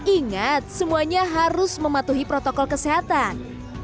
ingat semuanya harus mematuhi protokol kesehatan